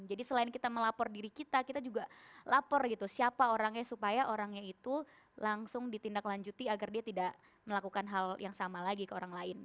jadi selain kita melapor diri kita kita juga lapor gitu siapa orangnya supaya orangnya itu langsung ditindaklanjuti agar dia tidak melakukan hal yang sama lagi ke orang lain